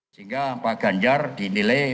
sehingga pak ganjar dinilai